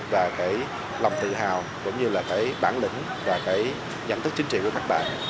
và lòng tự hào cũng như là bản lĩnh và nhận thức chính trị của các bạn